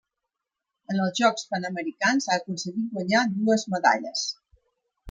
En els Jocs Panamericans ha aconseguit guanyar dues medalles.